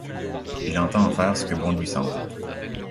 Il entend en faire ce que bon lui semble.